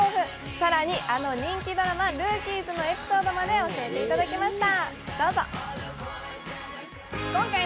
更に、あの人気ドラマ「ＲＯＯＫＩＥＳ」のエピソードまで教えていただきました。